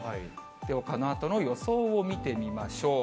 ではこのあとの予想を見てみましょう。